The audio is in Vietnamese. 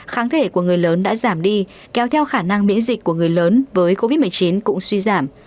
kháng thể của người lớn đã giảm đi kéo theo khả năng miễn dịch của người lớn với covid một mươi chín cũng suy giảm